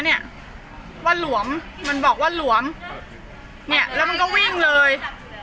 เนี่ยว่าหลวมมันบอกว่าหลวมเนี่ยแล้วมันก็วิ่งเลย